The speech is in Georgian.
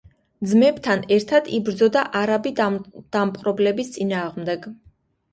ძმებთან ერთად იბრძოდა არაბი დამპყრობლების წინააღმდეგ.